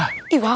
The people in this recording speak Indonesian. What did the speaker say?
hah kenapa nih